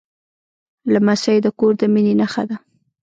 لمسی د کور د مینې نښه ده.